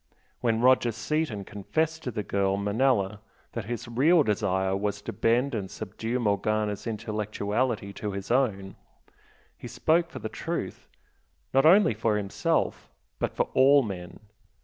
When Roger Seaton confessed to the girl Manella that his real desire was to bend and subdue Morgana's intellectuality to his own, he spoke the truth, not only for himself but for all men.